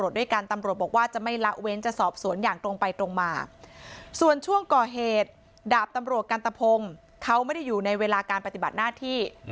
ดาบตำรวจกันตะพงเขาไม่ได้อยู่ในเวลาการปฏิบัติหน้าที่